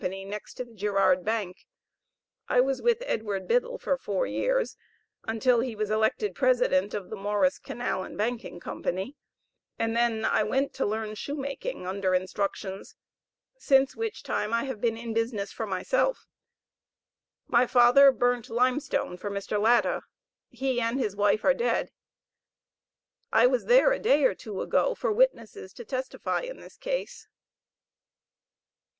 next to the Girard Bank; I was with Edward Biddle for four years, until he was elected President of the Morris Canal and Banking Company, and then I went to learn shoemaking under instructions, since which time I have been in business for myself; my father burnt limestone for Mr. Latta; he and his wife are dead; I was there a day or two ago for witnesses to testify in this case.